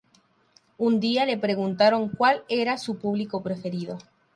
Un día le preguntaron cuál era su público preferido.